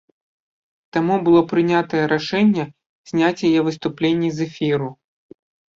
Таму было прынятае рашэнне зняць яе выступленне з эфіру.